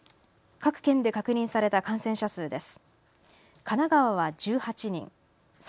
各県で確認された感染者数です。